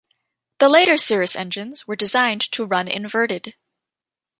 The later Cirrus engines were designed to run inverted.